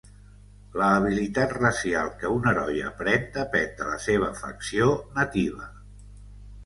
La habilitat racial que un heroi aprèn depèn de la seva facció nativa.